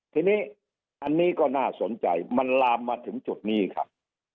ทีนี้อันนี้ก็น่าสนใจมันลามมาถึงจุดนี้ครับ